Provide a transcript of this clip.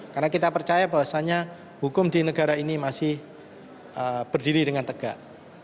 karena kita percaya bahwasannya hukum di negara ini masih berdiri dengan tegak